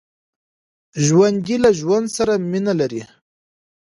ژوندي له ژوند سره مینه لري